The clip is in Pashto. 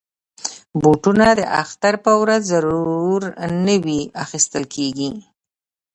بوټونه د اختر په ورځ ضرور نوي اخیستل کېږي.